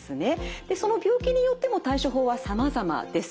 でその病気によっても対処法はさまざまです。